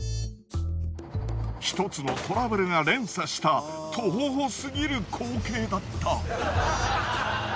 １つのトラブルが連鎖したトホホすぎる光景だった。